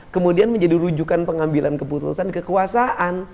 kemudian menjadi rujukan pengambilan keputusan kekuasaan